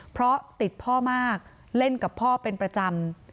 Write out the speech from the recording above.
เพราะติดพ่อมากเล่นกับพ่อเป็นประจำ